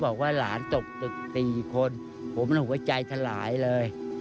บอกว่าหลานตกตึก๔คนผมหัวใจถลายเลย